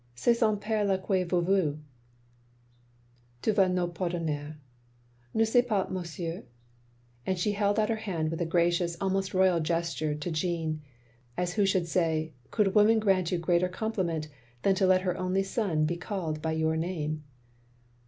Tu vas nous pardonner, n' est ce pas, ma soeurf and she held out her hand with a gracious, almost royal, gesture, to Jeanne, as who should say. Could woman grant you greater compliment than to let her only son be called by your name?